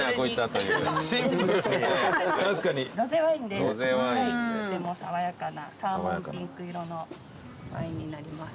とても爽やかなサーモンピンク色のワインになります。